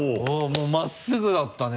もう真っすぐだったね